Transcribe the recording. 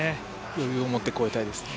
余裕を持って越えたいですね。